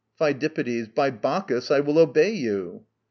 PHIDIPPIDES. By Bacchus, I will obey you.